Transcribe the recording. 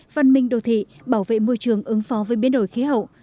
văn minh đô thị bảo vệ môi trường ứng phó với biến đổi khí hậu